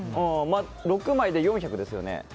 ６枚で４００ですよね。